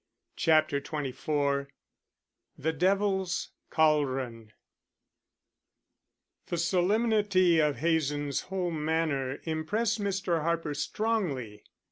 CHAPTER XXIV THE DEVIL'S CAULDRON The solemnity of Hazen's whole manner impressed Mr. Harper strongly.